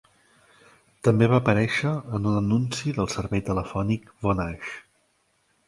També va aparèixer en un anunci del servei telefònic Vonage.